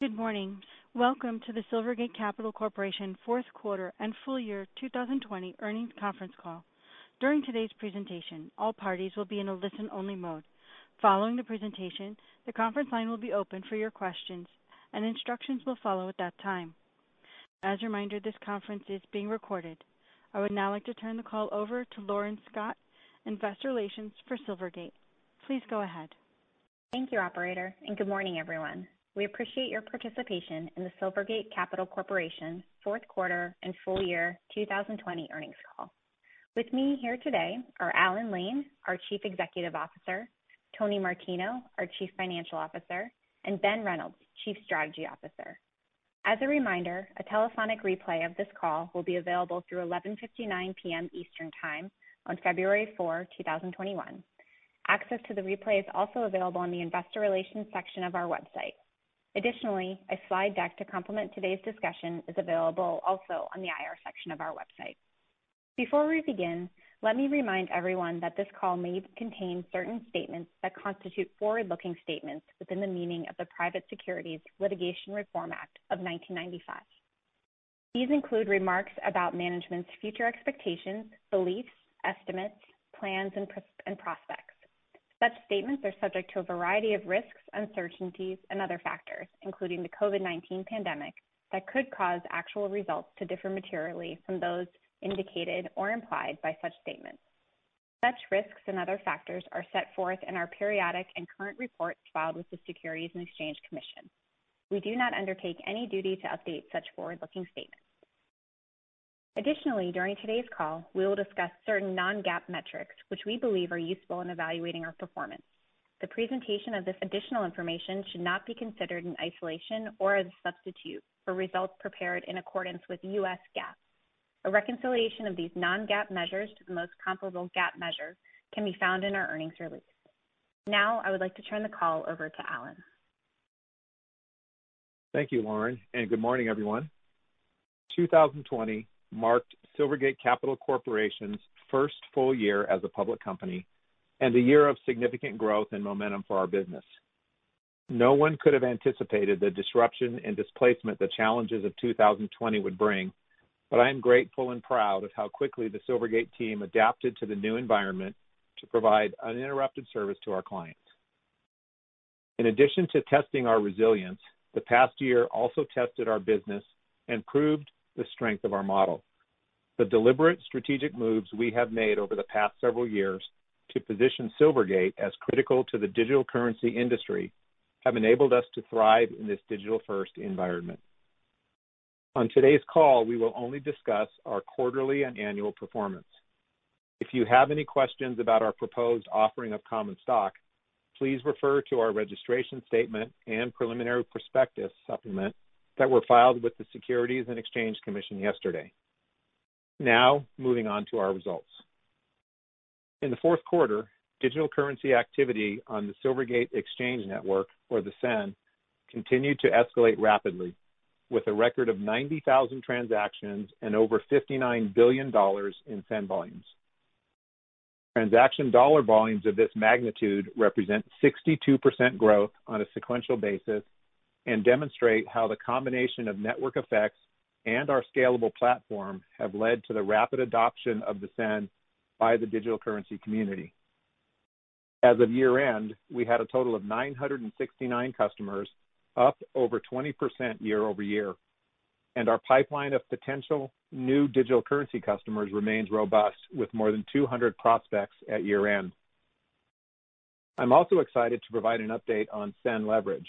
Good morning. Welcome to the Silvergate Capital Corporation fourth quarter and full year 2020 earnings conference call. During today's presentation, all parties will be in a listen-only mode. Following the presentation, the conference line will be open for your questions, and instructions will follow at that time. As a reminder, this conference is being recorded. I would now like to turn the call over to Lauren Scott, Investor Relations for Silvergate. Please go ahead. Thank you, operator, and good morning, everyone. We appreciate your participation in the Silvergate Capital Corporation fourth quarter and full year 2020 earnings call. With me here today are Alan Lane, our Chief Executive Officer, Tony Martino, our Chief Financial Officer, and Ben Reynolds, Chief Strategy Officer. As a reminder, a telephonic replay of this call will be available through 11:59 P.M. Eastern Time on February 4, 2021. Access to the replay is also available on the investor relations section of our website. Additionally, a slide deck to complement today's discussion is available also on the IR section of our website. Before we begin, let me remind everyone that this call may contain certain statements that constitute forward-looking statements within the meaning of the Private Securities Litigation Reform Act of 1995. These include remarks about management's future expectations, beliefs, estimates, plans, and prospects. Such statements are subject to a variety of risks, uncertainties, and other factors, including the COVID-19 pandemic that could cause actual results to differ materially from those indicated or implied by such statements. Such risks and other factors are set forth in our periodic and current reports filed with the Securities and Exchange Commission. We do not undertake any duty to update such forward-looking statements. Additionally, during today's call, we will discuss certain non-GAAP metrics which we believe are useful in evaluating our performance. The presentation of this additional information should not be considered in isolation or as a substitute for results prepared in accordance with U.S. GAAP. A reconciliation of these non-GAAP measures to the most comparable GAAP measure can be found in our earnings release. Now, I would like to turn the call over to Alan. Thank you, Lauren, good morning, everyone. 2020 marked Silvergate Capital Corporation's first full year as a public company and a year of significant growth and momentum for our business. No one could have anticipated the disruption and displacement the challenges of 2020 would bring, I am grateful and proud of how quickly the Silvergate team adapted to the new environment to provide uninterrupted service to our clients. In addition to testing our resilience, the past year also tested our business and proved the strength of our model. The deliberate strategic moves we have made over the past several years to position Silvergate as critical to the digital currency industry have enabled us to thrive in this digital-first environment. On today's call, we will only discuss our quarterly and annual performance. If you have any questions about our proposed offering of common stock, please refer to our registration statement and preliminary prospectus supplement that were filed with the Securities and Exchange Commission yesterday. Moving on to our results. In the fourth quarter, digital currency activity on the Silvergate Exchange Network, or the SEN, continued to escalate rapidly with a record of 90,000 transactions and over $59 billion in SEN volumes. Transaction dollar volumes of this magnitude represent 62% growth on a sequential basis and demonstrate how the combination of network effects and our scalable platform have led to the rapid adoption of the SEN by the digital currency community. As of year-end, we had a total of 969 customers, up over 20% year-over-year, and our pipeline of potential new digital currency customers remains robust with more than 200 prospects at year-end. I am also excited to provide an update on SEN Leverage,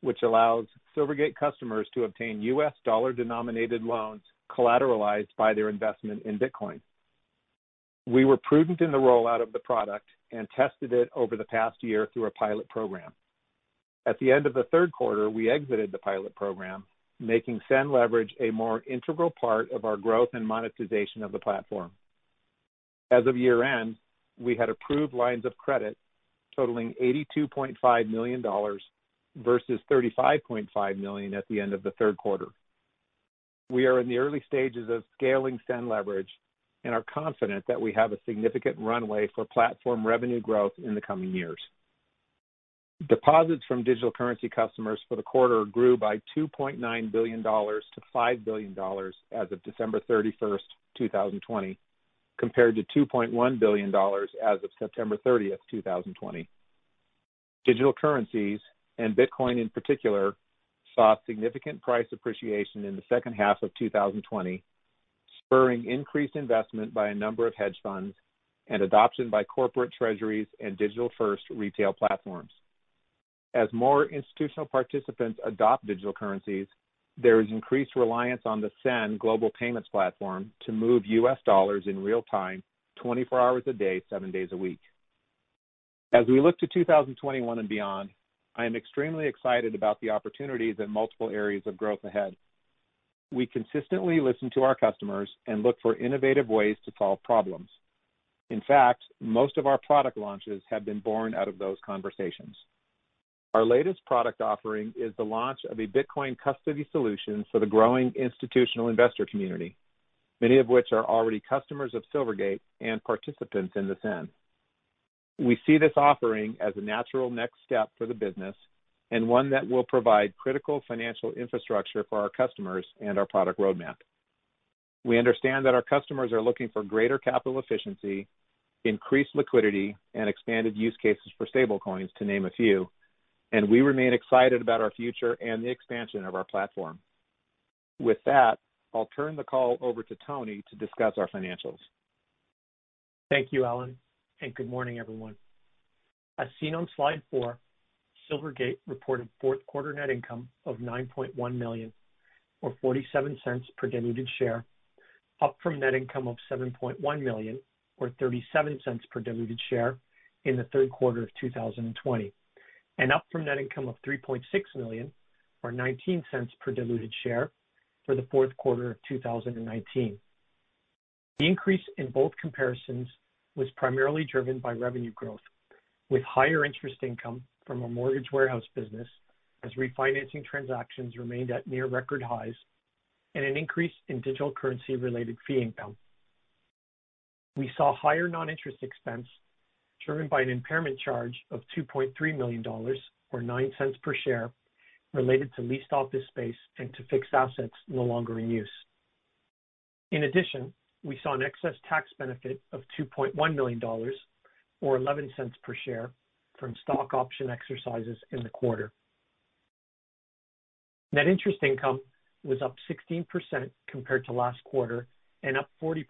which allows Silvergate customers to obtain U.S. dollar-denominated loans collateralized by their investment in Bitcoin. We were prudent in the rollout of the product and tested it over the past year through a pilot program. At the end of the third quarter, we exited the pilot program, making SEN Leverage a more integral part of our growth and monetization of the platform. As of year-end, we had approved lines of credit totaling $82.5 million versus $35.5 million at the end of the third quarter. We are in the early stages of scaling SEN Leverage and are confident that we have a significant runway for platform revenue growth in the coming years. Deposits from digital currency customers for the quarter grew by $2.9 billion to $5 billion as of December 31st, 2020, compared to $2.1 billion as of September 30th, 2020. Digital currencies, and Bitcoin in particular, saw significant price appreciation in the second half of 2020, spurring increased investment by a number of hedge funds and adoption by corporate treasuries and digital-first retail platforms. As more institutional participants adopt digital currencies, there is increased reliance on the SEN global payments platform to move U.S. dollars in real time, 24 hours a day, seven days a week. As we look to 2021 and beyond, I am extremely excited about the opportunities in multiple areas of growth ahead. We consistently listen to our customers and look for innovative ways to solve problems. In fact, most of our product launches have been born out of those conversations. Our latest product offering is the launch of a Bitcoin custody solution for the growing institutional investor community, many of which are already customers of Silvergate and participants in the SEN. We see this offering as a natural next step for the business, and one that will provide critical financial infrastructure for our customers and our product roadmap. We understand that our customers are looking for greater capital efficiency, increased liquidity, and expanded use cases for stablecoins, to name a few, and we remain excited about our future and the expansion of our platform. With that, I'll turn the call over to Tony to discuss our financials. Thank you, Alan. Good morning, everyone. As seen on slide four, Silvergate reported fourth quarter net income of $9.1 million, or $0.47 per diluted share, up from net income of $7.1 million, or $0.37 per diluted share in the third quarter of 2020, and up from net income of $3.6 million, or $0.19 per diluted share for the fourth quarter of 2019. The increase in both comparisons was primarily driven by revenue growth, with higher interest income from our mortgage warehouse business as refinancing transactions remained at near record highs, and an increase in digital currency-related fee income. We saw higher non-interest expense driven by an impairment charge of $2.3 million, or $0.09 per share, related to leased office space and to fixed assets no longer in use. In addition, we saw an excess tax benefit of $2.1 million, or $0.11 per share, from stock option exercises in the quarter. Net interest income was up 16% compared to last quarter and up 40%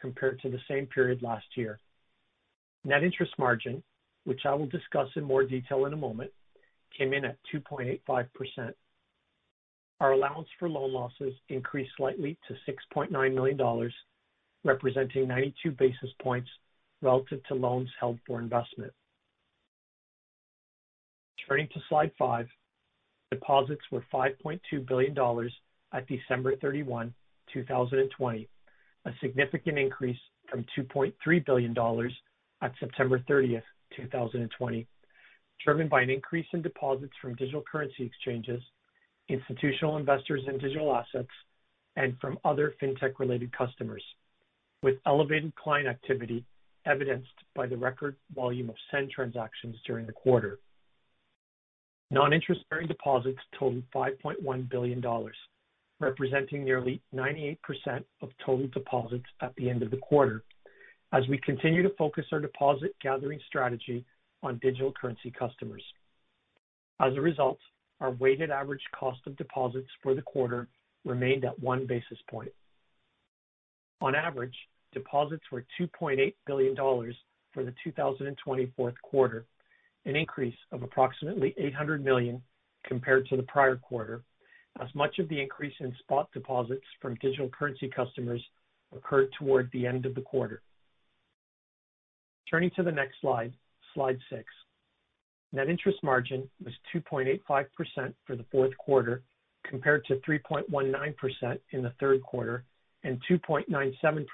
compared to the same period last year. Net interest margin, which I will discuss in more detail in a moment, came in at 2.85%. Our allowance for loan losses increased slightly to $6.9 million, representing 92 basis points relative to loans held for investment. Turning to slide five. Deposits were $5.2 billion at December 31, 2020, a significant increase from $2.3 billion on September 30th, 2020, driven by an increase in deposits from digital currency exchanges, institutional investors in digital assets, and from other fintech-related customers with elevated client activity evidenced by the record volume of SEN transactions during the quarter. Non-interest-bearing deposits totaled $5.1 billion, representing nearly 98% of total deposits at the end of the quarter, as we continue to focus our deposit gathering strategy on digital currency customers. As a result, our weighted average cost of deposits for the quarter remained at one basis point. On average, deposits were $2.8 billion for the 2020 fourth quarter, an increase of approximately $800 million compared to the prior quarter, as much of the increase in spot deposits from digital currency customers occurred toward the end of the quarter. Turning to the next slide six. Net interest margin was 2.85% for the fourth quarter, compared to 3.19% in the third quarter and 2.97%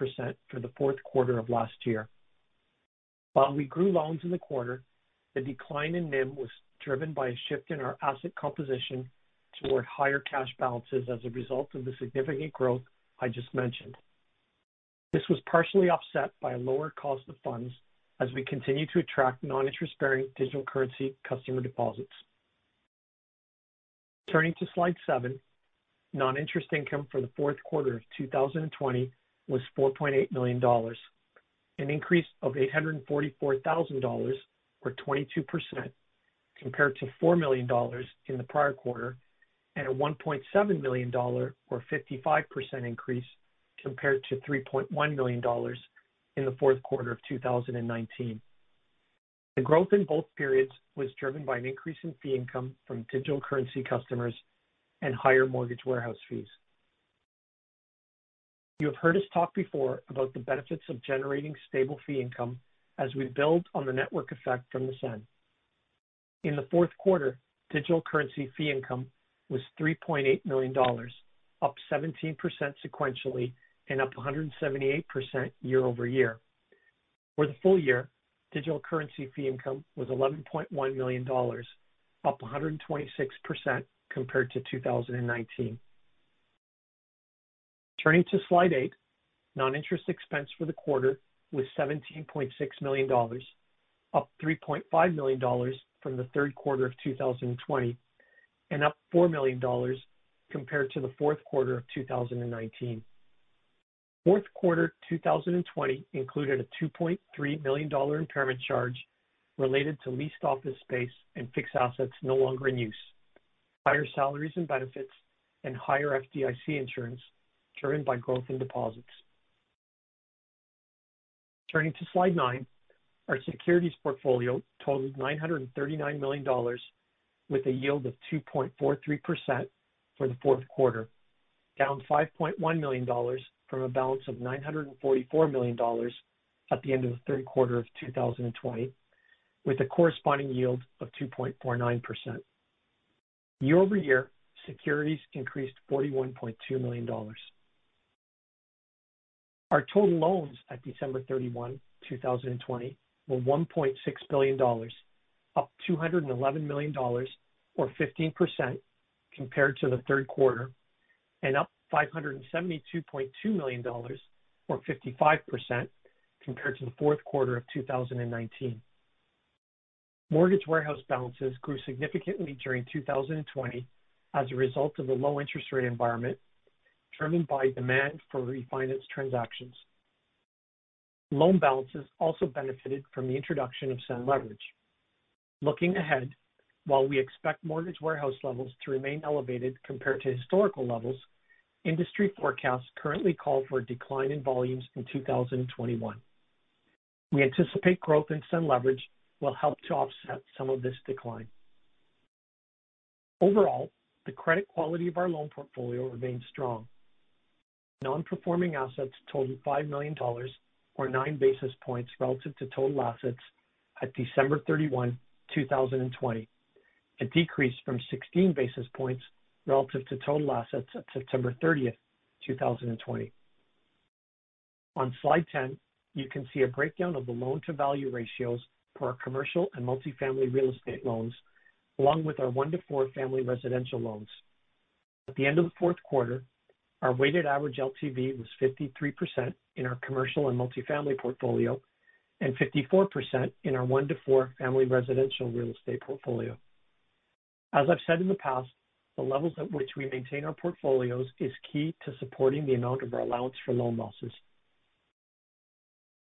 for the fourth quarter of last year. While we grew loans in the quarter, the decline in NIM was driven by a shift in our asset composition toward higher cash balances as a result of the significant growth I just mentioned. This was partially offset by a lower cost of funds as we continue to attract non-interest-bearing digital currency customer deposits. Turning to slide seven. Non-interest income for the fourth quarter of 2020 was $4.8 million, an increase of $844,000 or 22% compared to $4 million in the prior quarter, and a $1.7 million or 55% increase compared to $3.1 million in the fourth quarter of 2019. The growth in both periods was driven by an increase in fee income from digital currency customers and higher mortgage warehouse fees. You have heard us talk before about the benefits of generating stable fee income as we build on the network effect from the SEN. In the fourth quarter, digital currency fee income was $3.8 million, up 17% sequentially and up 178% year-over-year. For the full year, digital currency fee income was $11.1 million, up 126% compared to 2019. Turning to slide eight. Non-interest expense for the quarter was $17.6 million, up $3.5 million from the third quarter of 2020 and up $4 million compared to the fourth quarter of 2019. Fourth quarter 2020 included a $2.3 million impairment charge related to leased office space and fixed assets no longer in use, higher salaries and benefits, and higher FDIC insurance driven by growth in deposits. Turning to slide nine. Our securities portfolio totaled $939 million with a yield of 2.43% for the fourth quarter, down $5.1 million from a balance of $944 million at the end of the third quarter of 2020, with a corresponding yield of 2.49%. Year-over-year, securities increased $41.2 million. Our total loans at December 31, 2020 were $1.6 billion, up $211 million or 15% compared to the third quarter. Up $572.2 million, or 55%, compared to the fourth quarter of 2019. Mortgage warehouse balances grew significantly during 2020 as a result of the low interest rate environment, driven by demand for refinance transactions. Loan balances also benefited from the introduction of SEN Leverage. Looking ahead, while we expect mortgage warehouse levels to remain elevated compared to historical levels, industry forecasts currently call for a decline in volumes in 2021. We anticipate growth in SEN Leverage will help to offset some of this decline. Overall, the credit quality of our loan portfolio remains strong. Non-performing assets totaled $5 million, or nine basis points relative to total assets at December 31, 2020. A decrease from 16 basis points relative to total assets at September 30th, 2020. On slide 10, you can see a breakdown of the loan-to-value ratios for our commercial and multifamily real estate loans, along with our one-to-four family residential loans. At the end of the fourth quarter, our weighted average LTV was 53% in our commercial and multifamily portfolio and 54% in our one-to-four family residential real estate portfolio. As I've said in the past, the levels at which we maintain our portfolios is key to supporting the amount of our allowance for loan losses.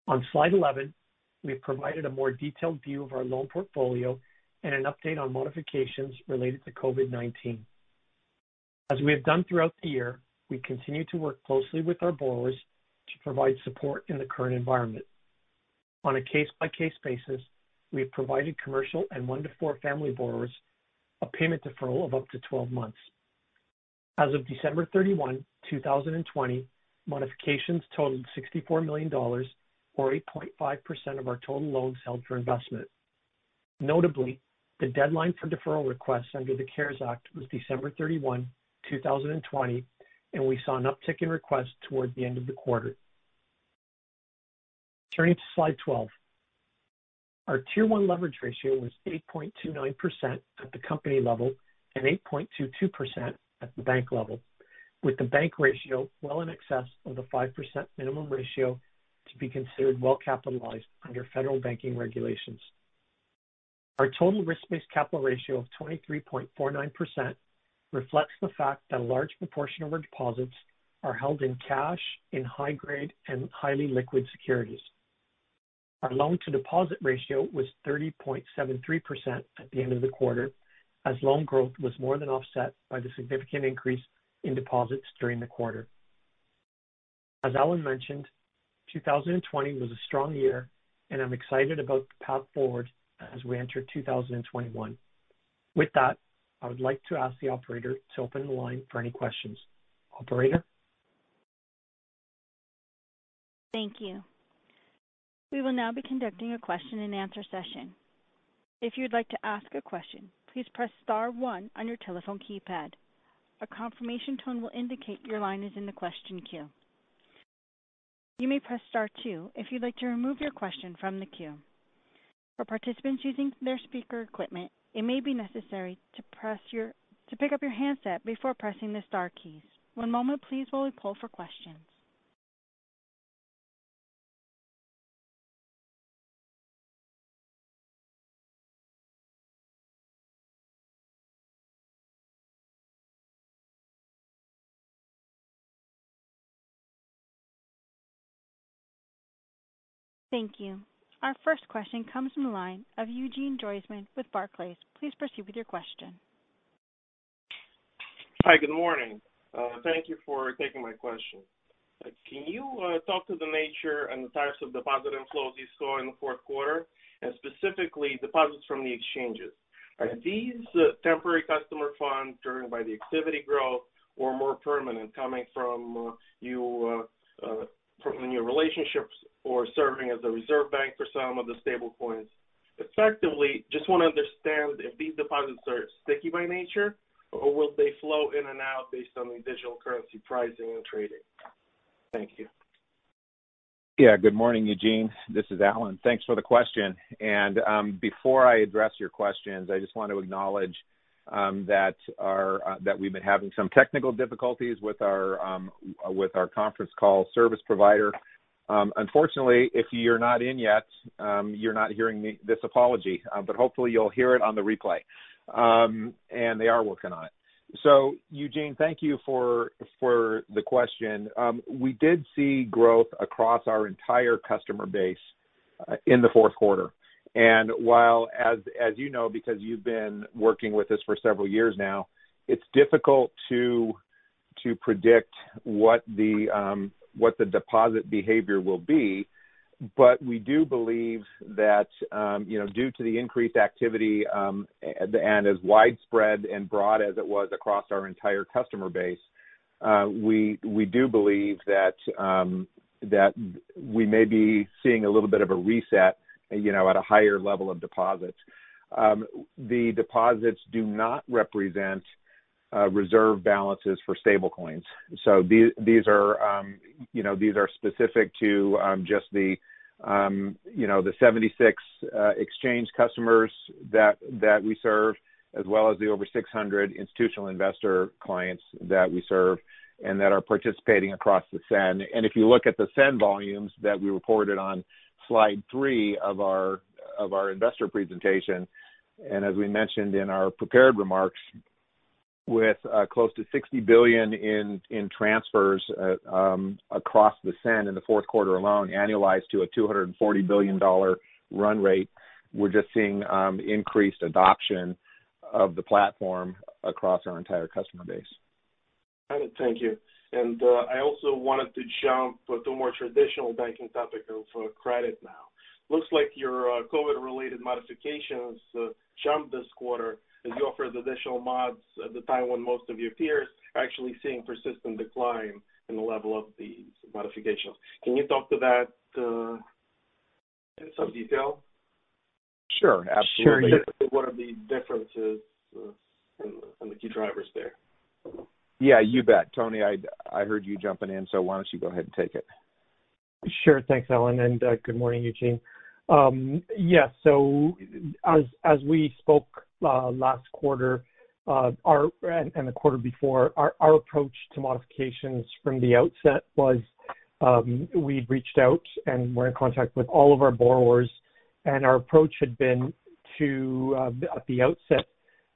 On slide 11, we have provided a more detailed view of our loan portfolio and an update on modifications related to COVID-19. As we have done throughout the year, we continue to work closely with our borrowers to provide support in the current environment. On a case-by-case basis, we have provided commercial and one-to-four family borrowers a payment deferral of up to 12 months. As of December 31, 2020, modifications totaled $64 million, or 8.5% of our total loans held for investment. Notably, the deadline for deferral requests under the CARES Act was December 31, 2020, and we saw an uptick in requests towards the end of the quarter. Turning to slide 12. Our Tier 1 leverage ratio was 8.29% at the company level and 8.22% at the bank level, with the bank ratio well in excess of the 5% minimum ratio to be considered well-capitalized under federal banking regulations. Our total risk-based capital ratio of 23.49% reflects the fact that a large proportion of our deposits are held in cash, in high grade and highly liquid securities. Our loan to deposit ratio was 30.73% at the end of the quarter, as loan growth was more than offset by the significant increase in deposits during the quarter. As Alan mentioned, 2020 was a strong year, and I'm excited about the path forward as we enter 2021. With that, I would like to ask the operator to open the line for any questions. Operator? Thank you. We will now be conducting a question and answer session. If you would like to ask a question, please press star one on your telephone keypad. A confirmation tone will indicate your line is in the question queue. You may press star two if you'd like to remove your question from the queue. For participants using their speaker equipment, it may be necessary to press your... to pick up your handset before pressing the star keys. One moment, please, while we poll for questions. Hi. Good morning. Thank you for taking my question. Can you talk to the nature and the types of deposit inflows you saw in the fourth quarter? Specifically, deposits from the exchanges. Are these temporary customer funds driven by the activity growth or more permanent, coming from new relationships or serving as a reserve bank for some of the stablecoins? Effectively, just want to understand if these deposits are sticky by nature, or will they flow in and out based on the digital currency pricing and trading. Thank you. Good morning, Eugene. This is Alan. Thanks for the question. Before I address your questions, I just want to acknowledge that we've been having some technical difficulties with our conference call service provider. Unfortunately, if you're not in yet, you're not hearing this apology, but hopefully you will hear it on the replay. They are working on it. Eugene, thank you for the question. We did see growth across our entire customer base in the fourth quarter. While, as you know, because you've been working with us for several years now, it is difficult to predict what the deposit behavior will be. We do believe that due to the increased activity, and as widespread and broad as it was across our entire customer base, we do believe that we may be seeing a little bit of a reset at a higher level of deposits. The deposits do not represent reserve balances for stablecoins. These are specific to just the 76 Exchange customers that we serve. As well as the over 600 institutional investor clients that we serve and that are participating across the SEN. If you look at the SEN volumes that we reported on slide three of our investor presentation, and as we mentioned in our prepared remarks, with close to $60 billion in transfers across the SEN in the fourth quarter alone, annualized to a $240 billion run rate, we're just seeing increased adoption of the platform across our entire customer base. Got it. Thank you. I also wanted to jump to a more traditional banking topic of credit now. Looks like your COVID-related modifications jumped this quarter as you offered additional mods at the time when most of your peers are actually seeing persistent decline in the level of these modifications. Can you talk to that in some detail? Sure, absolutely. What are the differences and the key drivers there? Yeah, you bet. Tony, I heard you jumping in, so why don't you go ahead and take it. Sure. Thanks, Alan, and good morning, Eugene. Yes, as we spoke last quarter, and the quarter before, our approach to modifications from the outset was, we reached out and were in contact with all of our borrowers, and our approach had been to, at the outset,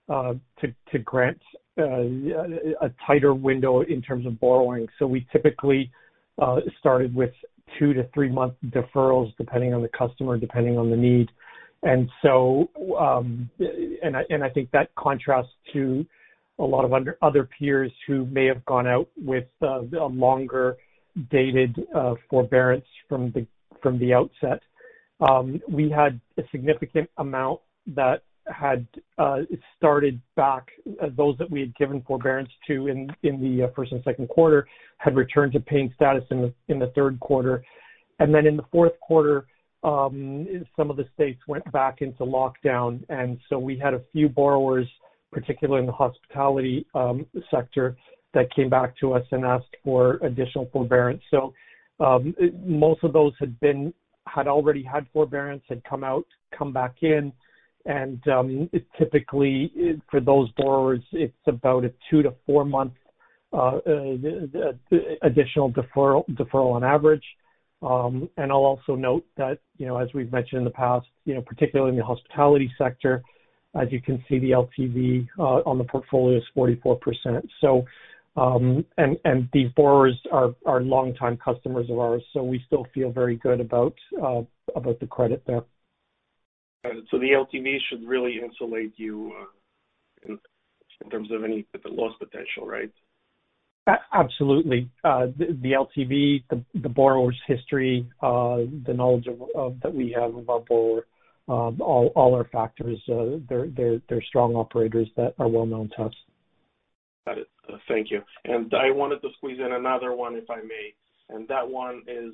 to grant a tighter window in terms of borrowing. We typically started with two to three-month deferrals, depending on the customer, depending on the need. And I think that contrasts to a lot of other peers who may have gone out with a longer-dated forbearance from the outset. We had a significant amount that had started back. Those that we had given forbearance to in the first and second quarter had returned to paying status in the third quarter. In the fourth quarter, some of the states went back into lockdown, we had a few borrowers, particularly in the hospitality sector, that came back to us and asked for additional forbearance. Most of those had already had forbearance, had come out, come back in, and typically, for those borrowers, it's about a two to four-month additional deferral on average. I'll also note that, as we've mentioned in the past, particularly in the hospitality sector, as you can see, the LTV on the portfolio is 44%. These borrowers are longtime customers of ours, so we still feel very good about the credit there. The LTV should really insulate you in terms of any loss potential, right? Absolutely. The LTV, the borrower's history, the knowledge that we have of our borrower, all are factors. They're strong operators that are well-known to us. Got it. Thank you. I wanted to squeeze in another one, if I may. That one is,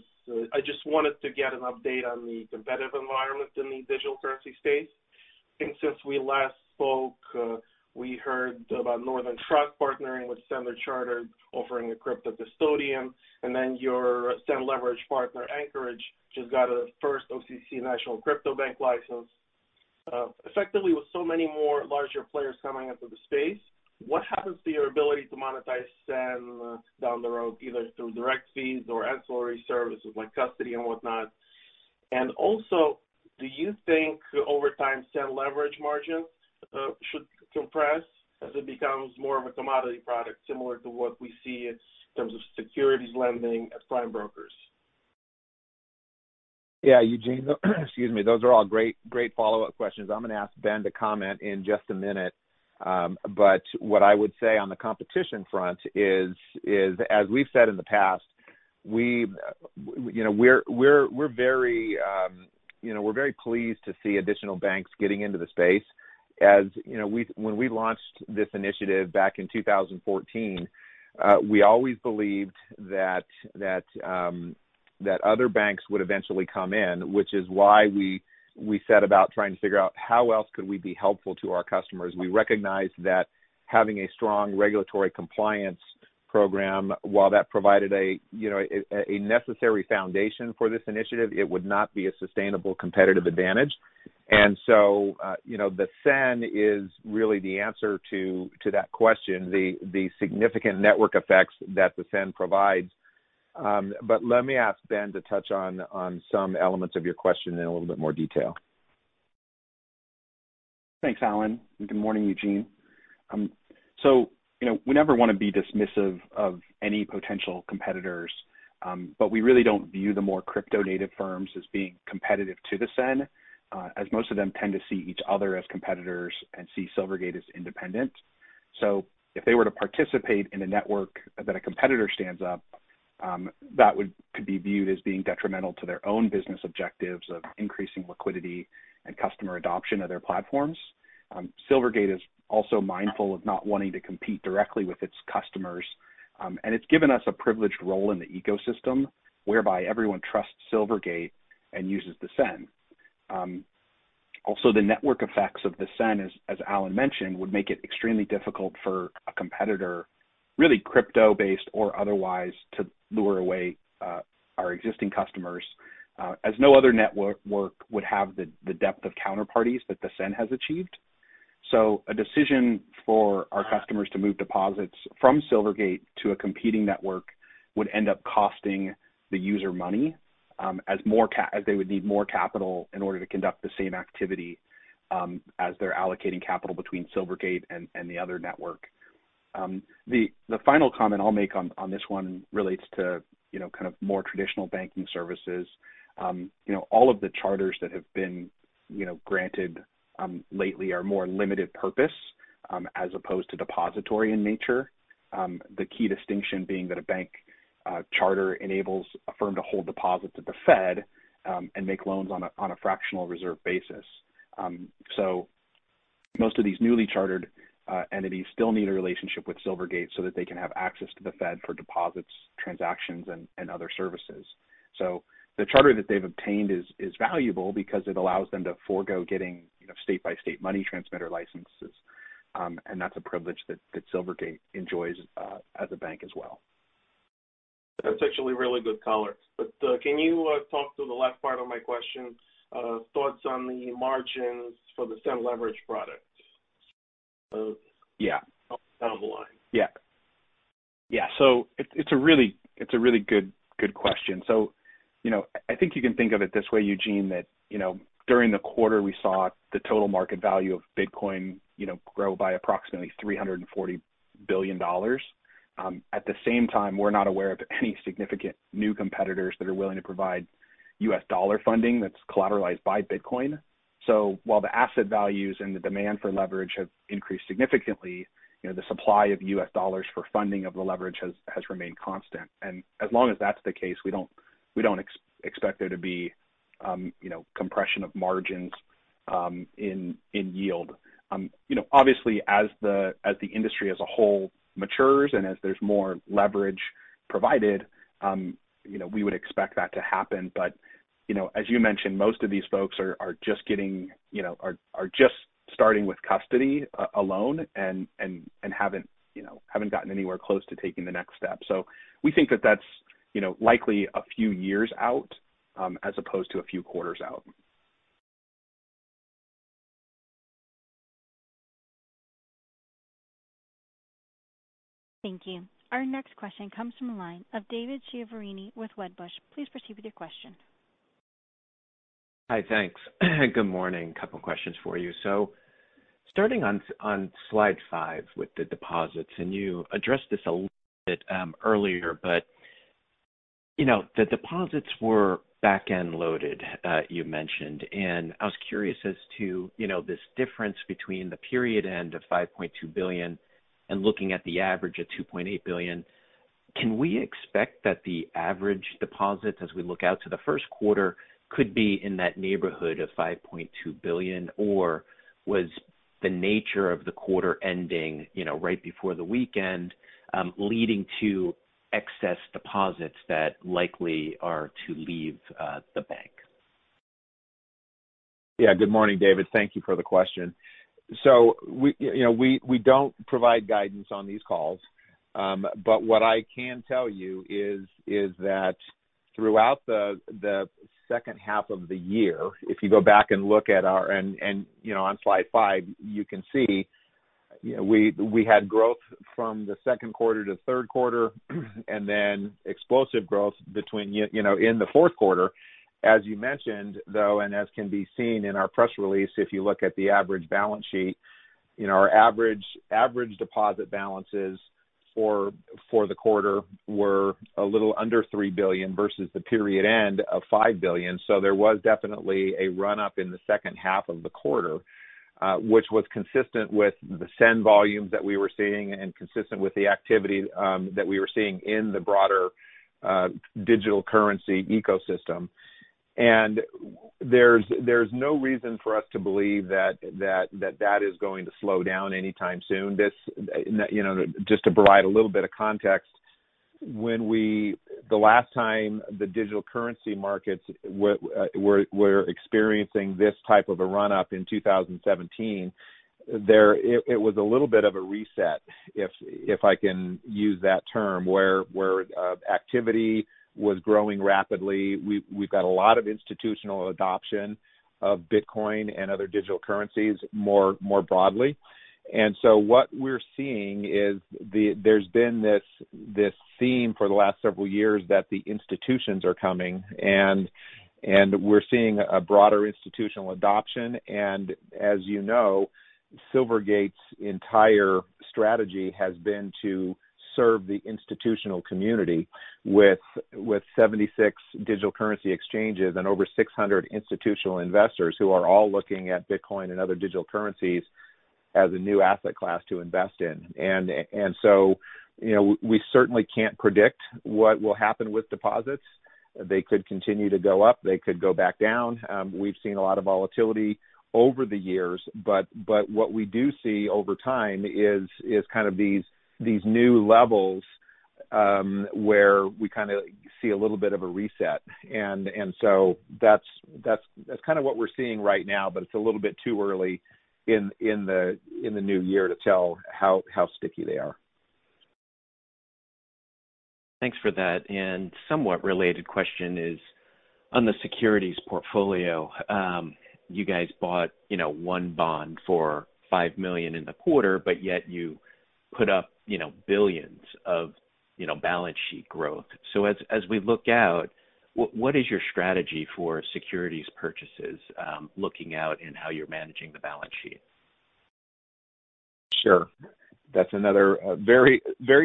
I just wanted to get an update on the competitive environment in the digital currency space. I think since we last spoke, we heard about Northern Trust partnering with Standard Chartered, offering a crypto custodian, then your SEN Leverage partner, Anchorage, just got a first OCC national crypto bank license. Effectively with so many more larger players coming into the space, what happens to your ability to monetize SEN down the road, either through direct fees or ancillary services like custody and whatnot? Also, do you think over time, SEN Leverage margins should compress as it becomes more of a commodity product, similar to what we see in terms of securities lending at prime brokers? Yeah, Eugene, excuse me. Those are all great follow-up questions. I'm going to ask Ben to comment in just a minute. What I would say on the competition front is, as we've said in the past, we're very pleased to see additional banks getting into the space. As when we launched this initiative back in 2014, we always believed that other banks would eventually come in, which is why we set about trying to figure out how else could we be helpful to our customers. We recognized that having a strong regulatory compliance program, while that provided a necessary foundation for this initiative, it would not be a sustainable competitive advantage. The SEN is really the answer to that question, the significant network effects that the SEN provides. Let me ask Ben to touch on some elements of your question in a little bit more detail. Thanks, Alan. Good morning, Eugene. We never want to be dismissive of any potential competitors, but we really don't view the more crypto-native firms as being competitive to the SEN, as most of them tend to see each other as competitors and see Silvergate as independent. If they were to participate in a network that a competitor stands up, that could be viewed as being detrimental to their own business objectives of increasing liquidity and customer adoption of their platforms. Silvergate is also mindful of not wanting to compete directly with its customers. It's given us a privileged role in the ecosystem whereby everyone trusts Silvergate and uses the SEN. The network effects of the SEN, as Alan mentioned, would make it extremely difficult for a competitor, really crypto-based or otherwise, to lure away our existing customers. No other network would have the depth of counterparties that the SEN has achieved. A decision for our customers to move deposits from Silvergate to a competing network would end up costing the user money, as they would need more capital in order to conduct the same activity as they're allocating capital between Silvergate and the other network. The final comment I'll make on this one relates to more traditional banking services. All of the charters that have been granted lately are more limited purpose as opposed to depository in nature. The key distinction being that a bank charter enables a firm to hold deposits at the Fed and make loans on a fractional reserve basis. Most of these newly chartered entities still need a relationship with Silvergate so that they can have access to the Fed for deposits, transactions, and other services. The charter that they've obtained is valuable because it allows them to forego getting state-by-state money transmitter licenses, and that's a privilege that Silvergate enjoys as a bank as well. That's actually really good color. Can you talk to the last part of my question, thoughts on the margins for the SEN Leverage product down the line? Yeah. It's a really good question. I think you can think of it this way, Eugene, that during the quarter, we saw the total market value of Bitcoin grow by approximately $340 billion. At the same time, we're not aware of any significant new competitors that are willing to provide U.S. dollar funding that's collateralized by Bitcoin. While the asset values and the demand for leverage have increased significantly, the supply of U.S. dollars for funding of the leverage has remained constant. As long as that's the case, we don't expect there to be compression of margins in yield. Obviously, as the industry as a whole matures and as there's more leverage provided, we would expect that to happen. As you mentioned, most of these folks are just starting with custody alone and haven't gotten anywhere close to taking the next step. We think that that's likely a few years out, as opposed to a few quarters out. Thank you. Our next question comes from the line of David Chiaverini with Wedbush. Please proceed with your question. Hi, thanks. Good morning. Couple questions for you. Starting on slide five with the deposits, you addressed this a little bit earlier, but the deposits were back-end loaded, you mentioned. I was curious as to this difference between the period end of $5.2 billion and looking at the average of $2.8 billion. Can we expect that the average deposits, as we look out to the first quarter, could be in that neighborhood of $5.2 billion? Was the nature of the quarter ending right before the weekend, leading to excess deposits that likely are to leave the bank? Yeah. Good morning, David. Thank you for the question. We don't provide guidance on these calls. What I can tell you is that throughout the second half of the year, if you go back and look on slide five, you can see we had growth from the second quarter to third quarter, and then explosive growth in the fourth quarter. As you mentioned, though, and as can be seen in our press release, if you look at the average balance sheet, our average deposit balances for the quarter were a little under $3 billion versus the period end of $5 billion. There was definitely a run-up in the second half of the quarter, which was consistent with the SEN volumes that we were seeing and consistent with the activity that we were seeing in the broader digital currency ecosystem. There's no reason for us to believe that is going to slow down anytime soon. Just to provide a little bit of context, the last time the digital currency markets were experiencing this type of a run-up in 2017, it was a little bit of a reset, if I can use that term, where activity was growing rapidly. We've got a lot of institutional adoption of Bitcoin and other digital currencies more broadly. What we're seeing is there's been this theme for the last several years that the institutions are coming, and we're seeing a broader institutional adoption. As you know, Silvergate's entire strategy has been to serve the institutional community with 76 digital currency exchanges and over 600 institutional investors who are all looking at Bitcoin and other digital currencies as a new asset class to invest in. We certainly can't predict what will happen with deposits. They could continue to go up. They could go back down. We've seen a lot of volatility over the years, but what we do see over time is kind of these new levels, where we kind of see a little bit of a reset. That's kind of what we're seeing right now, but it's a little bit too early in the new year to tell how sticky they are. Thanks for that. Somewhat related question is on the securities portfolio. You guys bought one bond for $5 million in the quarter, but yet you put up billions of balance sheet growth. As we look out, what is your strategy for securities purchases looking out and how you're managing the balance sheet? Sure. That's another very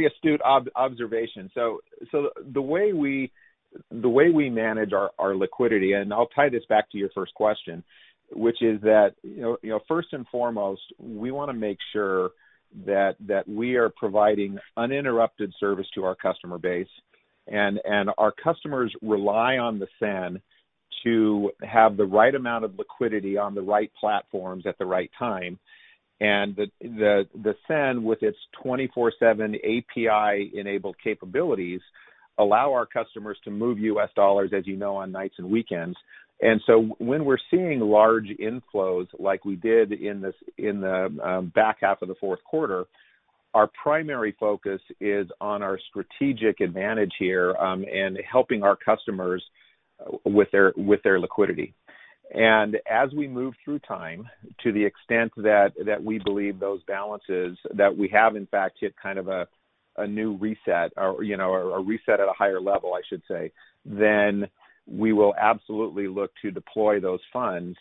astute observation. The way we manage our liquidity, and I'll tie this back to your first question, which is that, first and foremost, we want to make sure that we are providing uninterrupted service to our customer base. Our customers rely on the SEN to have the right amount of liquidity on the right platforms at the right time. The SEN, with its 24/7 API-enabled capabilities, allow our customers to move U.S. dollars, as you know, on nights and weekends. When we're seeing large inflows like we did in the back half of the fourth quarter, our primary focus is on our strategic advantage here, and helping our customers with their liquidity. As we move through time, to the extent that we believe those balances, that we have in fact hit kind of a new reset, or a reset at a higher level, I should say, then we will absolutely look to deploy those funds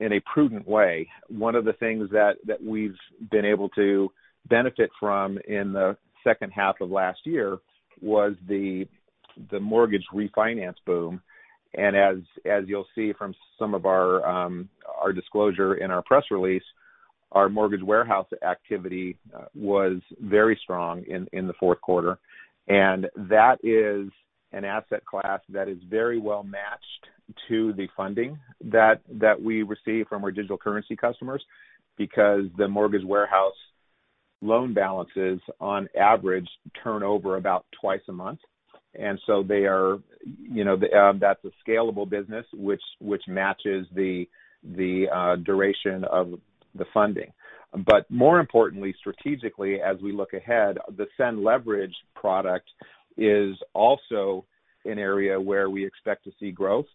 in a prudent way. One of the things that we've been able to benefit from in the second half of last year was the mortgage refinance boom. As you'll see from some of our disclosure in our press release, our mortgage warehouse activity was very strong in the fourth quarter. That is an asset class that is very well matched to the funding that we receive from our digital currency customers, because the mortgage warehouse loan balances, on average, turn over about twice a month. So that's a scalable business which matches the duration of the funding. More importantly, strategically, as we look ahead, the SEN Leverage product is also an area where we expect to see growth.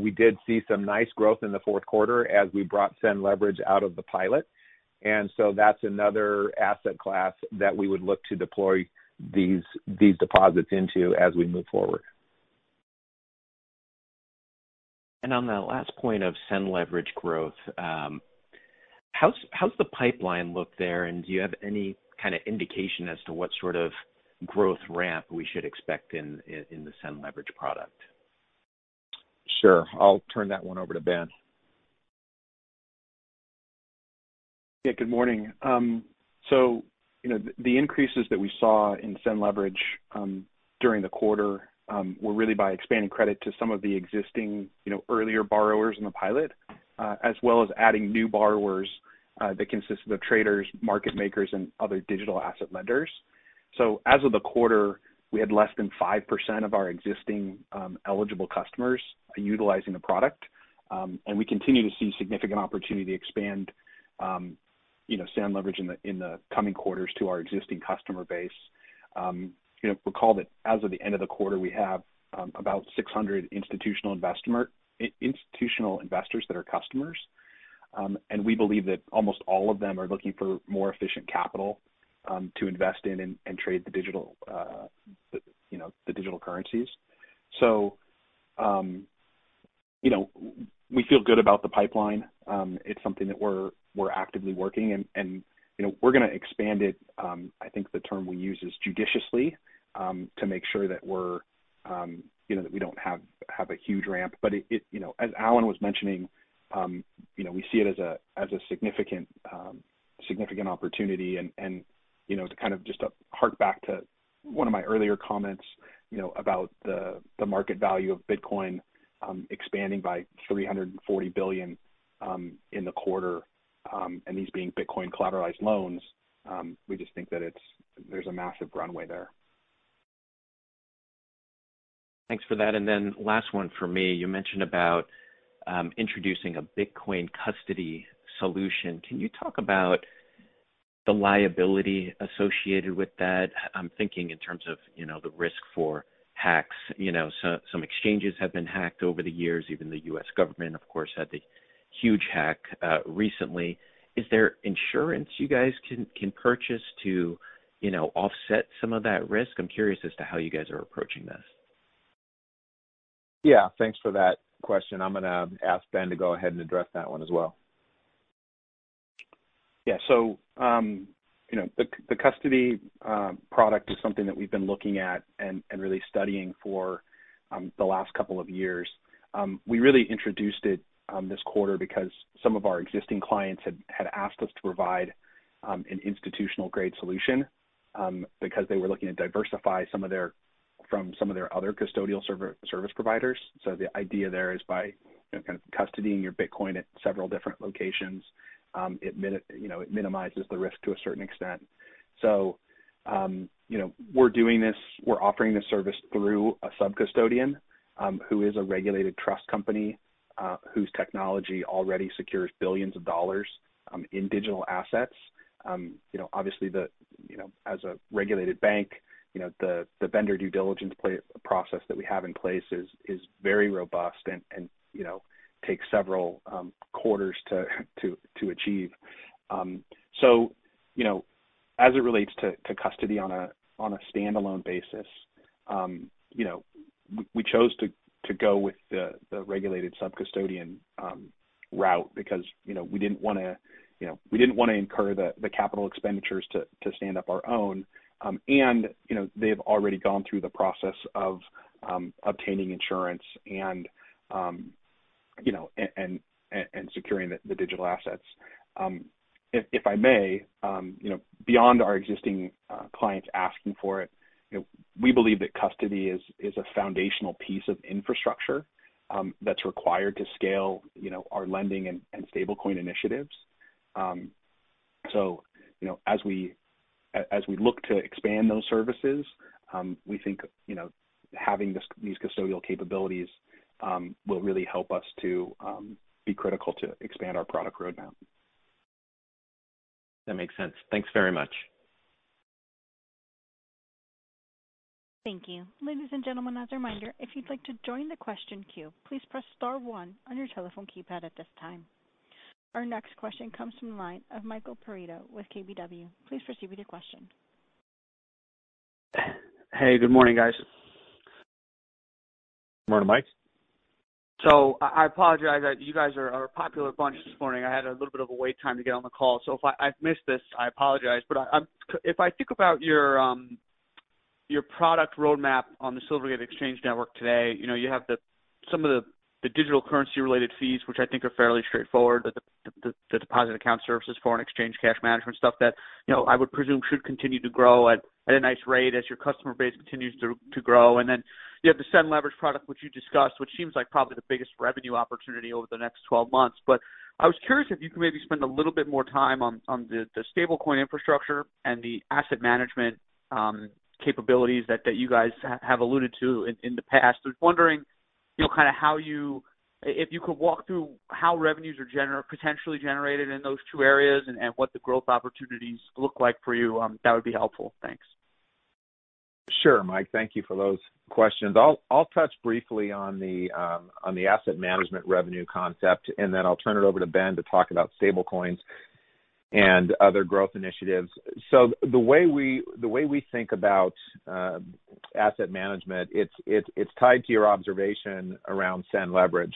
We did see some nice growth in the fourth quarter as we brought SEN Leverage out of the pilot. That's another asset class that we would look to deploy these deposits into as we move forward. On that last point of SEN Leverage growth, how does the pipeline look there, and do you have any kind of indication as to what sort of growth ramp we should expect in the SEN Leverage product? Sure. I'll turn that one over to Ben. Yeah, good morning. The increases that we saw in SEN Leverage during the quarter were really by expanding credit to some of the existing earlier borrowers in the pilot, as well as adding new borrowers that consist of traders, market makers, and other digital asset lenders. As of the quarter, we had less than 5% of our existing eligible customers utilizing the product. We continue to see significant opportunity to expand SEN Leverage in the coming quarters to our existing customer base. Recall that as of the end of the quarter, we have about 600 institutional investors that are customers. We believe that almost all of them are looking for more efficient capital to invest in and trade the digital currencies. We feel good about the pipeline. It's something that we're actively working, and we're going to expand it, I think the term we use is judiciously, to make sure that we don't have a huge ramp. As Alan was mentioning, we see it as a significant opportunity. To kind of just to hark back to one of my earlier comments about the market value of Bitcoin expanding by $340 billion in the quarter, and these being Bitcoin collateralized loans, we just think that there's a massive runway there. Thanks for that. Then last one from me. You mentioned about introducing a Bitcoin custody solution. Can you talk about the liability associated with that? I'm thinking in terms of the risk for hacks. Some exchanges have been hacked over the years. Even the U.S. government, of course, had the huge hack recently. Is there insurance you guys can purchase to offset some of that risk? I'm curious as to how you guys are approaching this. Yeah. Thanks for that question. I'm going to ask Ben to go ahead and address that one as well. Yeah. The custody product is something that we've been looking at and really studying for the last couple of years. We really introduced it this quarter because some of our existing clients had asked us to provide an institutional-grade solution because they were looking to diversify from some of their other custodial service providers. The idea there is by kind of custodying your Bitcoin at several different locations, it minimizes the risk to a certain extent. We're doing this, we're offering this service through a sub-custodian who is a regulated trust company, whose technology already secures billions of dollars in digital assets. Obviously, as a regulated bank, the vendor due diligence process that we have in place is very robust and takes several quarters to achieve. As it relates to custody on a standalone basis, we chose to go with the regulated sub-custodian route because we didn't want to incur the capital expenditures to stand up our own. They've already gone through the process of obtaining insurance and securing the digital assets. If I may, beyond our existing clients asking for it, we believe that custody is a foundational piece of infrastructure that's required to scale our lending and stablecoin initiatives. As we look to expand those services, we think having these custodial capabilities will really help us to be critical to expand our product roadmap. That makes sense. Thanks very much. Thank you. Ladies and gentlemen, as a reminder, if you'd like to join the question queue, please press star one on your telephone keypad at this time. Our next question comes from the line of Michael Perito with KBW. Please proceed with your question. Hey, good morning, guys. Morning, Mike. I apologize. You guys are a popular bunch this morning. I had a little bit of a wait time to get on the call. If I've missed this, I apologize, but if I think about your product roadmap on the Silvergate Exchange Network today, you have some of the digital currency related fees, which I think are fairly straightforward. The deposit account services, foreign exchange, cash management stuff that I would presume should continue to grow at a nice rate as your customer base continues to grow. You have the SEN Leverage product, which you discussed, which seems like probably the biggest revenue opportunity over the next 12 months. I was curious if you could maybe spend a little bit more time on the stablecoin infrastructure and the asset management capabilities that you guys have alluded to in the past. I was wondering, if you could walk through how revenues are potentially generated in those two areas and what the growth opportunities look like for you, that would be helpful. Thanks. Sure, Mike, thank you for those questions. I'll touch briefly on the asset management revenue concept, and then I'll turn it over to Ben to talk about stablecoins and other growth initiatives. The way we think about asset management, it's tied to your observation around SEN Leverage.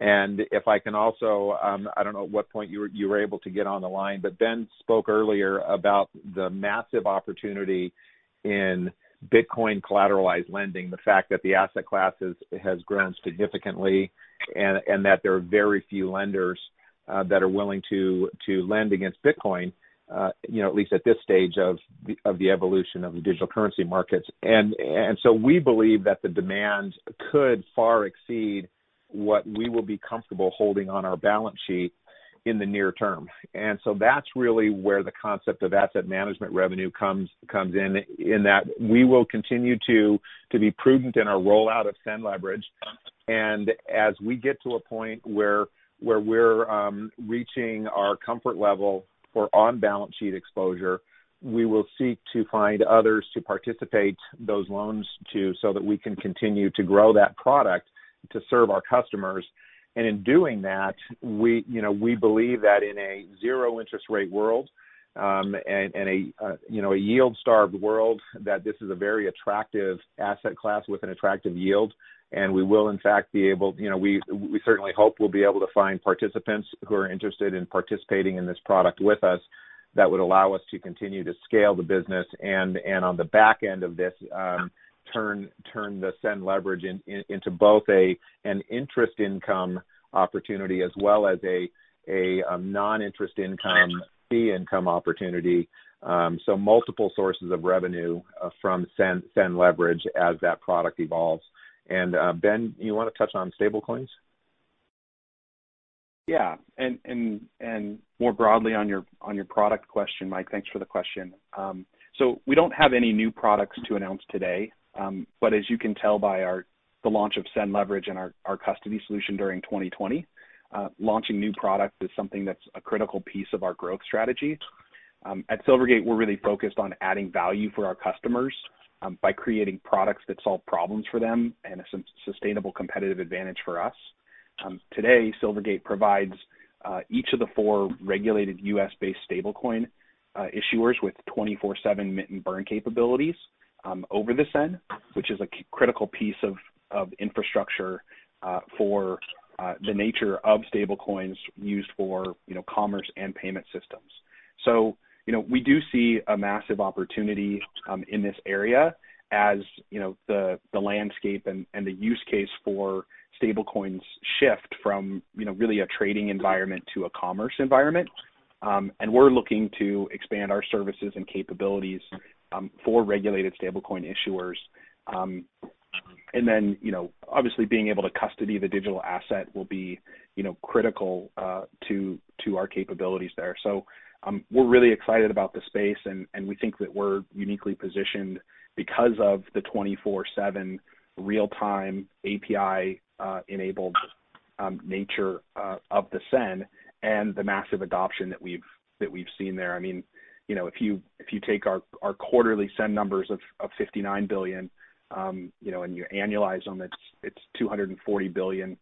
If I can also, I don't know at what point you were able to get on the line, but Ben spoke earlier about the massive opportunity in Bitcoin collateralized lending, the fact that the asset class has grown significantly, and that there are very few lenders that are willing to lend against Bitcoin, at least at this stage of the evolution of the digital currency markets. We believe that the demand could far exceed what we will be comfortable holding on our balance sheet in the near term. That's really where the concept of asset management revenue comes in that we will continue to be prudent in our rollout of SEN Leverage. As we get to a point where we're reaching our comfort level for on-balance sheet exposure, we will seek to find others to participate those loans too, so that we can continue to grow that product to serve our customers. In doing that, we believe that in a zero interest rate world, and a yield-starved world, that this is a very attractive asset class with an attractive yield, and we certainly hope we'll be able to find participants who are interested in participating in this product with us that would allow us to continue to scale the business. On the back end of this, turn the SEN Leverage into both an interest income opportunity as well as a non-interest income fee income opportunity. Multiple sources of revenue from SEN Leverage as that product evolves. Ben, you want to touch on stablecoins? Yeah. More broadly on your product question, Mike, thanks for the question. We don't have any new products to announce today. As you can tell by the launch of SEN Leverage and our custody solution during 2020, launching new product is something that's a critical piece of our growth strategy. At Silvergate, we're really focused on adding value for our customers by creating products that solve problems for them and a sustainable competitive advantage for us. Today, Silvergate provides each of the four regulated U.S.-based stablecoin issuers with 24/7 mint and burn capabilities over the SEN, which is a critical piece of infrastructure for the nature of stablecoins used for commerce and payment systems. We do see a massive opportunity in this area, as the landscape and the use case for stablecoins shift from really a trading environment to a commerce environment. We're looking to expand our services and capabilities for regulated stablecoin issuers. Then, obviously being able to custody the digital asset will be critical to our capabilities there. We're really excited about the space, and we think that we're uniquely positioned because of the 24/7 real time API-enabled nature of the SEN and the massive adoption that we've seen there. If you take our quarterly SEN numbers of $59 billion, and you annualize them, it's $240 billion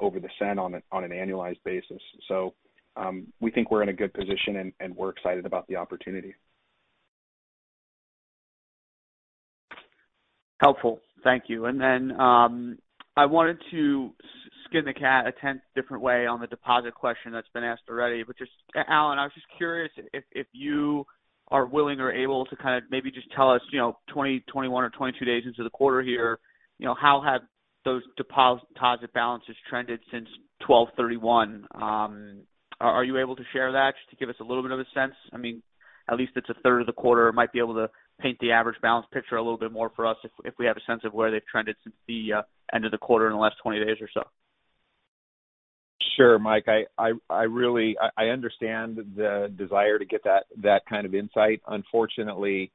over the SEN on an annualized basis. We think we're in a good position, and we're excited about the opportunity. Helpful. Thank you. I wanted to skin the cat a tenth different way on the deposit question that's been asked already. Alan, I was just curious if you are willing or able to kind of maybe just tell us, 20, 21 or 22 days into the quarter here, how have those deposit balances trended since 12/31? Are you able to share that just to give us a little bit of a sense? At least it's a third of the quarter. Might be able to paint the average balance picture a little bit more for us if we have a sense of where they've trended since the end of the quarter in the last 20 days or so. Sure, Mike. I understand the desire to get that kind of insight. Unfortunately,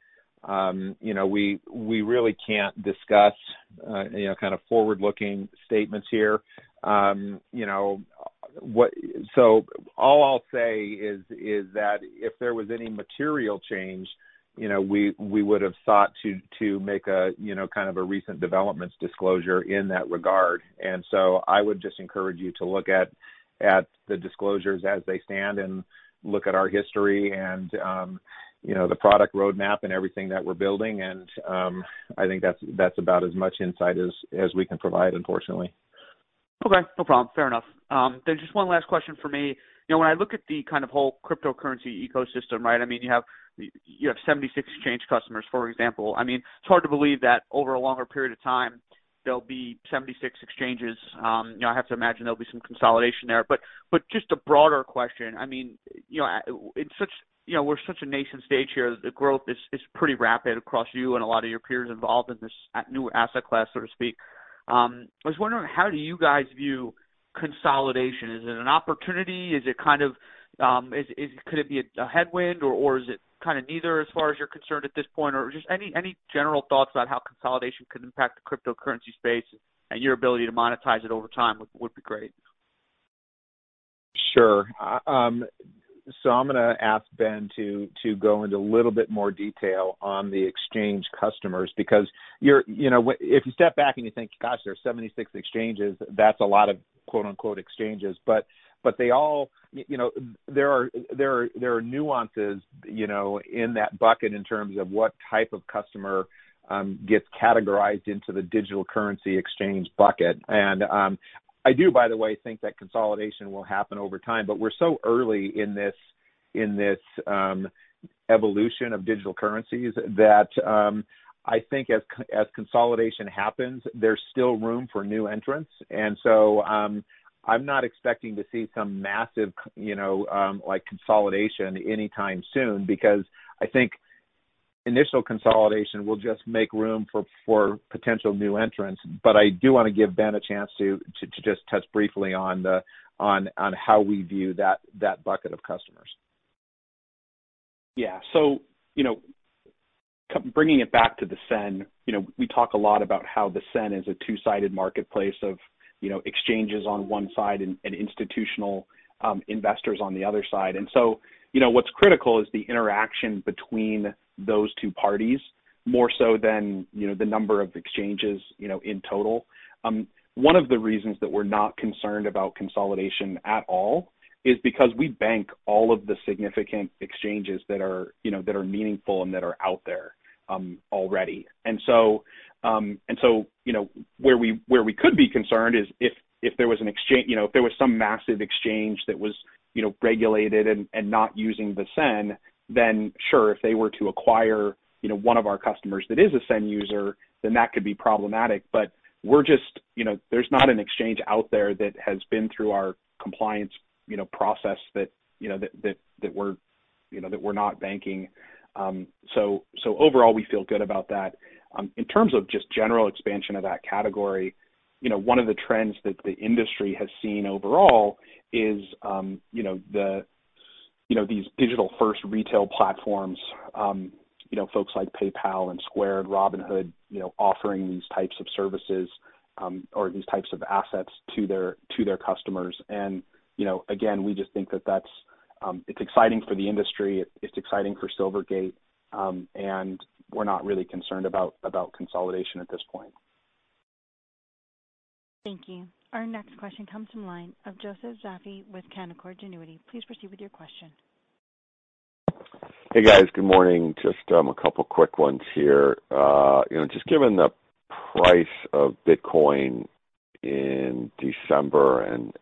we really can't discuss kind of forward-looking statements here. All I'll say is that if there was any material change, we would've sought to make a kind of a recent developments disclosure in that regard. I would just encourage you to look at the disclosures as they stand and look at our history and the product roadmap and everything that we're building, and I think that's about as much insight as we can provide, unfortunately. Okay. No problem. Fair enough. Just one last question from me. When I look at the kind of whole cryptocurrency ecosystem, right, you have 76 exchange customers, for example. It's hard to believe that over a longer period of time, there'll be 76 exchanges. I have to imagine there'll be some consolidation there. Just a broader question. We're such a nascent stage here. The growth is pretty rapid across you and a lot of your peers involved in this new asset class, so to speak. I was wondering, how do you guys view consolidation? Is it an opportunity? Could it be a headwind or is it kind of neither as far as you're concerned at this point? Just any general thoughts about how consolidation could impact the cryptocurrency space and your ability to monetize it over time would be great. Sure. I'm going to ask Ben to go into a little bit more detail on the exchange customers because if you step back and you think, gosh, there's 76 exchanges, that's a lot of, quote unquote, exchanges. There are nuances in that bucket in terms of what type of customer gets categorized into the digital currency exchange bucket. I do, by the way, think that consolidation will happen over time, we're so early in this evolution of digital currencies that I think as consolidation happens, there's still room for new entrants. I'm not expecting to see some massive consolidation anytime soon because I think initial consolidation will just make room for potential new entrants. I do want to give Ben a chance to just touch briefly on how we view that bucket of customers. Yeah. Bringing it back to the SEN, we talk a lot about how the SEN is a two-sided marketplace of exchanges on one side and institutional investors on the other side. What's critical is the interaction between those two parties, more so than the number of exchanges in total. One of the reasons that we're not concerned about consolidation at all is because we bank all of the significant exchanges that are meaningful and that are out there already. Where we could be concerned is if there was some massive exchange that was regulated and not using the SEN, then sure, if they were to acquire one of our customers that is a SEN user, then that could be problematic. There's not an exchange out there that has been through our compliance process that we're not banking. Overall, we feel good about that. In terms of just general expansion of that category, one of the trends that the industry has seen overall is these digital-first retail platforms. Folks like PayPal and Square and Robinhood offering these types of services, or these types of assets to their customers. Again, we just think that it's exciting for the industry, it's exciting for Silvergate, and we're not really concerned about consolidation at this point. Thank you. Our next question comes from the line of Joseph Vafi with Canaccord Genuity. Please proceed with your question. Hey, guys. Good morning. A couple quick ones here. Given the price of Bitcoin in December and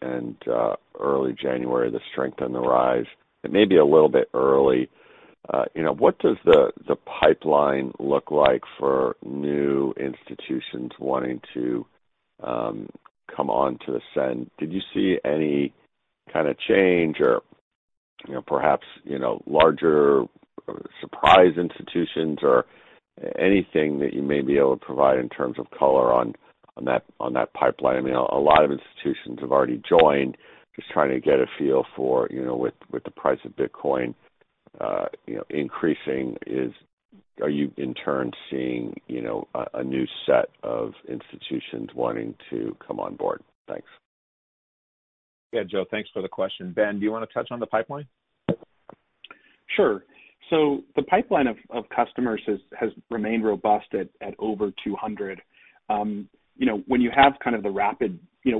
early January, the strength and the rise, it may be a little bit early. What does the pipeline look like for new institutions wanting to come onto the SEN? Did you see any kind of change or perhaps larger surprise institutions or anything that you may be able to provide in terms of color on that pipeline? A lot of institutions have already joined. Trying to get a feel for with the price of Bitcoin increasing? Are you, in turn, seeing a new set of institutions wanting to come on board? Thanks. Yeah, Joe. Thanks for the question. Ben, do you want to touch on the pipeline? Sure. The pipeline of customers has remained robust at over 200.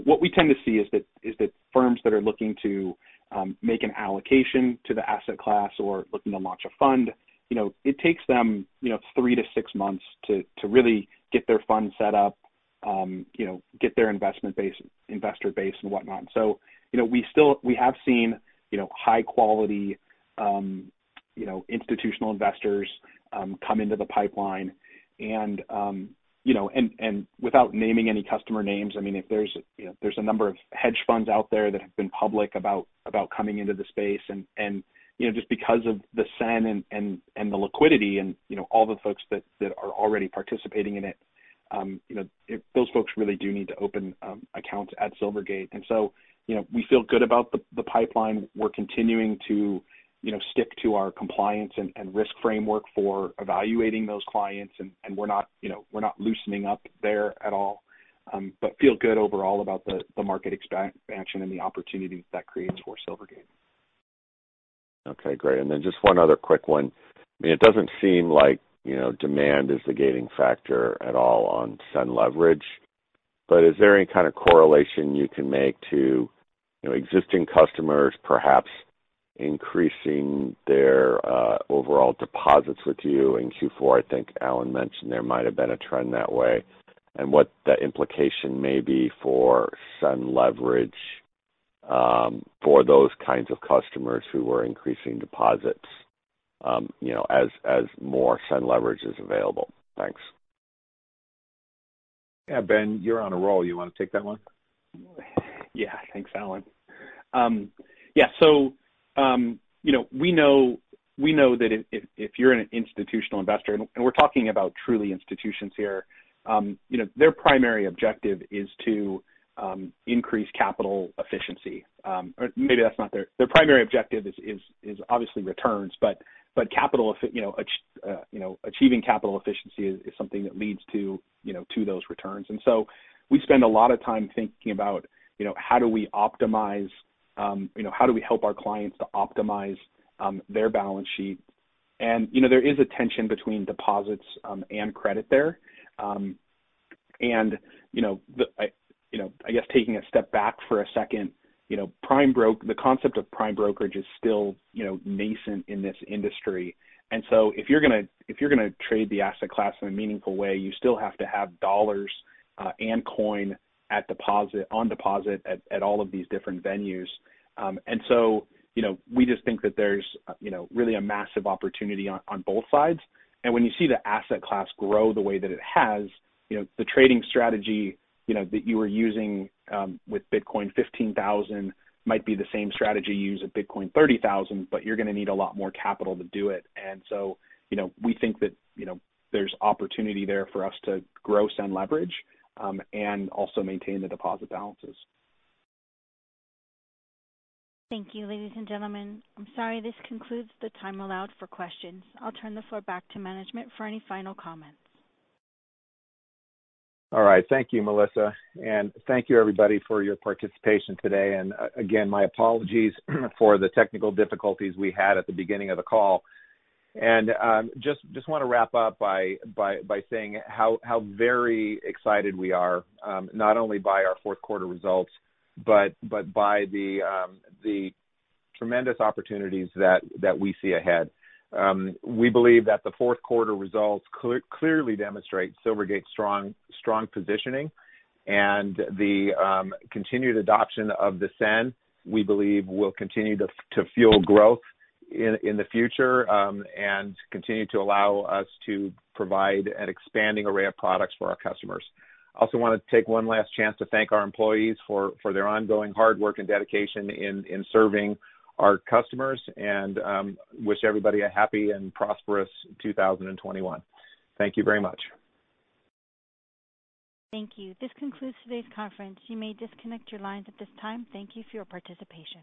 What we tend to see is that firms that are looking to make an allocation to the asset class or looking to launch a fund, it takes them three to six months to really get their fund set up, get their investor base and whatnot. We have seen high quality institutional investors come into the pipeline and without naming any customer names, there's a number of hedge funds out there that have been public about coming into the space, and just because of the SEN and the liquidity and all the folks that are already participating in it. Those folks really do need to open accounts at Silvergate. We feel good about the pipeline. We're continuing to stick to our compliance and risk framework for evaluating those clients, and we're not loosening up there at all. Feel good overall about the market expansion and the opportunity that creates for Silvergate. Okay, great. Just one other quick one. It doesn't seem like demand is the gating factor at all on SEN Leverage, but is there any kind of correlation you can make to existing customers, perhaps increasing their overall deposits with you in Q4? I think Alan mentioned there might've been a trend that way, and what the implication may be for SEN Leverage, for those kinds of customers who are increasing deposits as more SEN Leverage is available. Thanks. Yeah, Ben, you're on a roll. You want to take that one? Thanks, Alan. We know that if you're an institutional investor, and we're talking about truly institutions here, their primary objective is to increase capital efficiency. Their primary objective is obviously returns, but achieving capital efficiency is something that leads to those returns. We spend a lot of time thinking about how do we help our clients to optimize their balance sheet? There is a tension between deposits and credit there. I guess taking a step back for a second, the concept of prime brokerage is still nascent in this industry. If you're gonna trade the asset class in a meaningful way, you still have to have dollars and coin on deposit at all of these different venues. We just think that there's really a massive opportunity on both sides. When you see the asset class grow the way that it has, the trading strategy that you were using with Bitcoin $15,000 might be the same strategy you use at Bitcoin $30,000, but you're gonna need a lot more capital to do it. We think that there's opportunity there for us to grow SEN Leverage, and also maintain the deposit balances. Thank you, ladies and gentlemen. I'm sorry, this concludes the time allowed for questions. I'll turn the floor back to management for any final comments. All right. Thank you, Melissa. Thank you everybody for your participation today. Again, my apologies for the technical difficulties we had at the beginning of the call. Just want to wrap up by saying how very excited we are, not only by our fourth quarter results, but by the tremendous opportunities that we see ahead. We believe that the fourth quarter results clearly demonstrate Silvergate's strong positioning and the continued adoption of the SEN, we believe will continue to fuel growth in the future, and continue to allow us to provide an expanding array of products for our customers. Also want to take one last chance to thank our employees for their ongoing hard work and dedication in serving our customers and wish everybody a happy and prosperous 2021. Thank you very much. Thank you. This concludes today's conference. You may disconnect your lines at this time. Thank you for your participation.